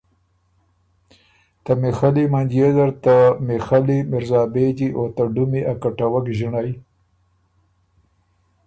ته میخلي منجيې زر ته میخلي، مرزابېجی او ته ډُمی ا کَټَوَک ݫِنړئ،